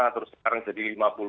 terus sekarang jadi lima puluh